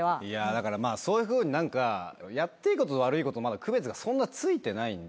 だからそういうふうに何かやっていいことと悪いことまだ区別がそんなついてないんで。